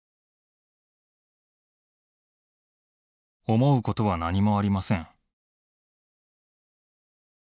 「思うことは何もありません」。